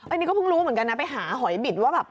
อันนี้ก็เพิ่งรู้เหมือนกันนะไปหาหอยบิดว่าแบบ